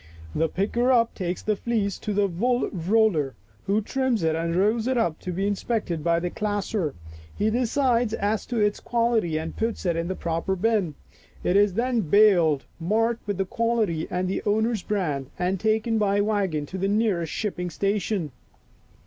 The picker up takes the fleece to the wool roller, who trims it and rolls it up to be inspected by the classer. He decides as to its quality and puts it in the proper bin. It is then baled, marked with the quality and the owner's brand, and taken by wagon to the nearest shipping station.